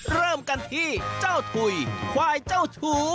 เริ่มกันที่เจ้าถุยควายเจ้าชู